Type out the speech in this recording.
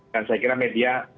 dan saya kira media